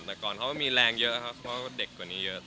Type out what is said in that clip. แต่ก่อนเขาก็มีแรงเยอะครับเพราะว่าเด็กกว่านี้เยอะ